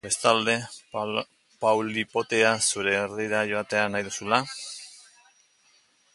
Bestalde, paulipotea zure herrira joatea nahi duzula?